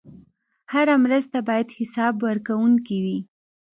هره مرسته باید حسابورکونکې وي.